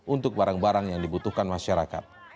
untuk barang barang yang dibutuhkan masyarakat